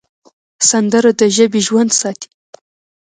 سندره د ژبې ژوند ساتي